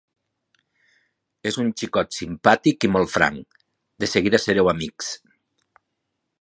És un xicot simpàtic i molt franc: de seguida sereu amics.